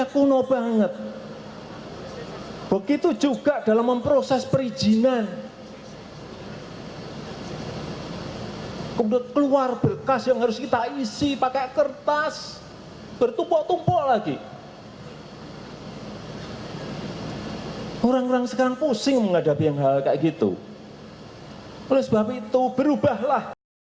ketika itu perusahaan itu berubahlah